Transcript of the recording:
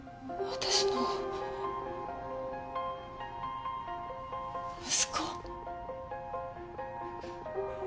私の息子？